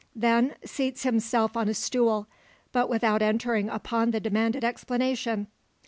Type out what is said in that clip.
Then seats himself on a stool, but without entering upon the demanded explanation.